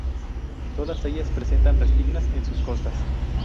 Todas ellas presentan restingas en sus costas.